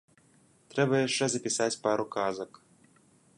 Трэба яшчэ запісаць пару казак.